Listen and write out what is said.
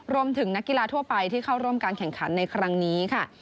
รวมถึงนกีฬาทั่วไปที่เข้าร่วมการแข่งขันในครั้งนี้